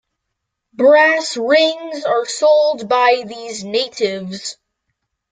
Brass rings are sold by these natives.